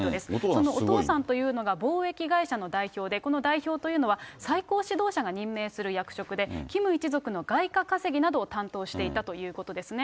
そのお父さんというのが貿易会社の代表でこの代表というのは、最高指導者が任命する役職で、キム一族の外貨稼ぎなどを担当していたということですね。